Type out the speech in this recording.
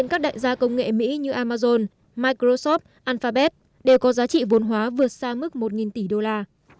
các đại gia công nghệ mỹ như amazon microsoft alphabet đều có giá trị vốn hóa vượt xa mức một tỷ đô la